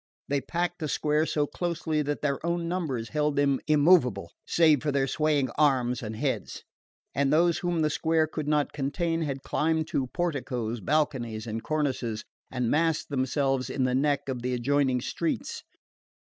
They packed the square so closely that their own numbers held them immovable, save for their swaying arms and heads; and those whom the square could not contain had climbed to porticoes, balconies and cornices, and massed themselves in the neck of the adjoining streets.